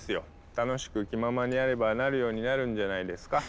楽しく気ままにやればなるようになるんじゃないですか？